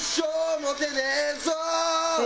「モテねーぞ」。